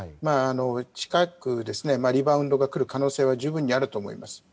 近く、リバウンドがくる可能性は十分にあると思います。